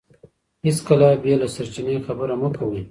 هیڅکله بې له سرچینې خبره مه کوئ.